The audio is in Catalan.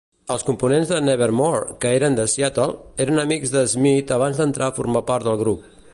Els components de Nevermore, que eren de Seattle, eren amics de Smyth abans d'entrar a formar part del grup.